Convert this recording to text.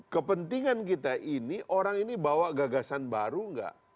kepentingan kita ini orang ini bawa gagasan baru nggak